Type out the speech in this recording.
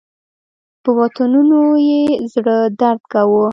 په وطنونو یې زړه درد کاوه.